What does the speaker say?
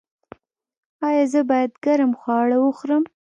ایا زه باید ګرم خواړه وخورم؟